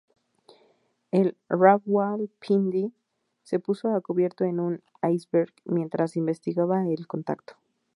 El "Rawalpindi" se puso a cubierto en un iceberg mientras investigaba el contacto.